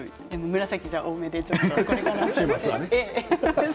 紫多めでこれから。